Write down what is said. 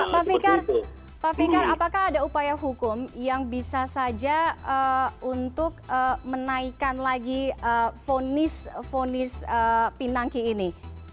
pak fikar apakah ada upaya hukum yang bisa saja untuk menaikan lagi fonis fonis pinangki ini